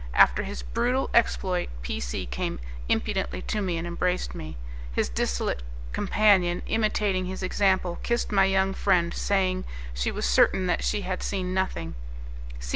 After his brutal exploit, P C came impudently to me and embraced me; his dissolute companion, imitating his example, kissed my young friend, saying she was certain that she had seen nothing.